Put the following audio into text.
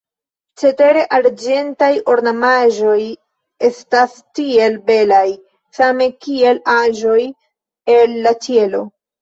Cetere arĝentaj ornamaĵoj estas tiel belaj, same kiel aĵoj el la ĉielo.